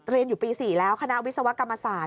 เรียนอยู่ปี๔แล้วคณะวิศวกรรมศาสตร์